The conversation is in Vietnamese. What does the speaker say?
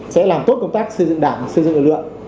sẽ làm tốt công tác xây dựng đảng xây dựng lực lượng